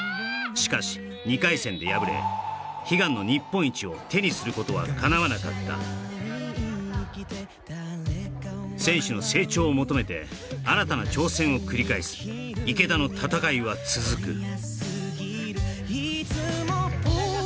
しかし２回戦で敗れ悲願の日本一を手にすることはかなわなかった選手の成長を求めて新たな挑戦を繰り返す池田の戦いは続く